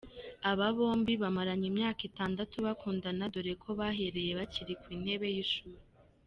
Aba bombi bamaranye imyaka itandatu bakundana dore ko bahereye bakiri ku intebe y’ishuri.